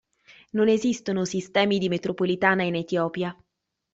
Non esistono sistemi di metropolitana in Etiopia.